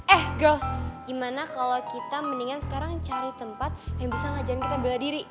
eh gross gimana kalau kita mendingan sekarang cari tempat yang bisa ngajarin kita bela diri